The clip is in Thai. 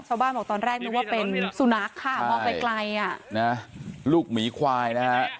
ชาวบ้านบอกตอนแรกนึกว่าเป็นสุนัขค่ะมองไกลอ่ะนะลูกหมีควายนะฮะ